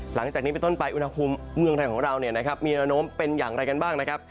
หลังจากนี้เป็นต้นไปอุณหภูมิเมืองไทยของเรามีระโน้มเป็นอย่างไรกันบ้างนะครับ